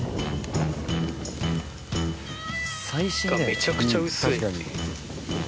めちゃくちゃ薄い。